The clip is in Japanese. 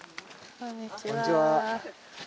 こんにちは。